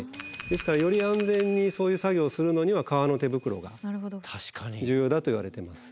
ですからより安全にそういう作業をするのには革の手袋が重要だといわれてます。